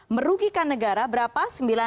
merugikan negara berapa